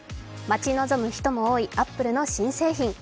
待ち望む人も多いアップルの新製品。